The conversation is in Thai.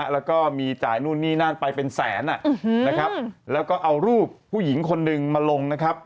แล้วก็มีจ่ายนู่นนี่นั่นไปเป็นแสนนะครับแล้วก็เอารูปผู้หญิงคนหนึ่งมาลงนะครับ